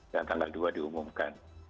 dan tanggal dua diumumkan